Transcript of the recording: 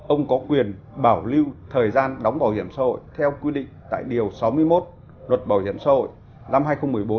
ông có quyền bảo lưu thời gian đóng bảo hiểm xã hội theo quy định tại điều sáu mươi một luật bảo hiểm xã hội năm hai nghìn một mươi bốn